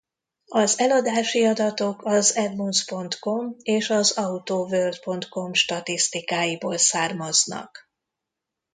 Az eladási adatok az Edmunds.com és az Autoworld.com statisztikáiból származnak.